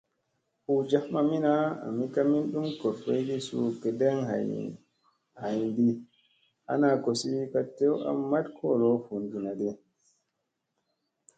Hu jaf mamina, ami ka min ɗum goorboygi suu gedeŋ haydi ana kosi ka tew a maɗ kolo vunginadi.